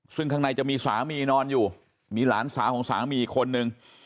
ซึ่งข้างในจะมีสามีนอนอยู่มีหลานสาวของสามีอีกคนนึง